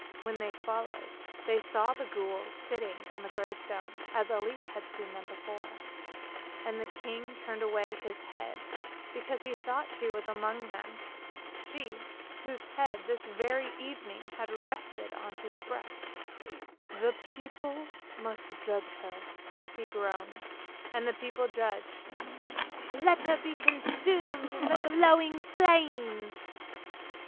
When they followed they saw the ghouls sitting on the gravestone as Elise had seen them before; and the king turned away his head, because he thought she was among them, she, whose head this very evening had rested on his breast. 50 ANDERSEN'S FAIRY TALES " The people must judge her," he groaned, and the people judged. " Let her be consumed in the glowing flames!